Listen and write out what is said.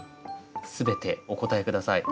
全てお答え下さい。